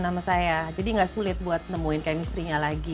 nama saya jadi enggak sulit buat nemuin kayak mistrinya lagi